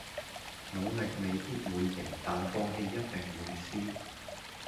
努力未必會贏但放棄一定會輸